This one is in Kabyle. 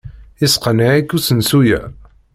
Yesseqneɛ-ik usensu-a?